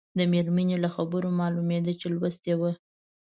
د مېرمنې له خبرو معلومېده چې لوستې وه.